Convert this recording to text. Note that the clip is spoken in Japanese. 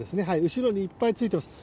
後ろにいっぱいついてます。